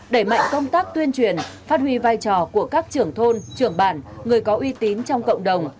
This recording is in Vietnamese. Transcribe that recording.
đẩy mạnh công tác tuyên truyền phát huy vai trò của các trưởng thôn trưởng bản người có uy tín trong cộng đồng